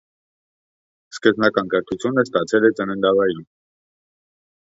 Սկզբնական կրթությունն ստացել է ծննդավայրում։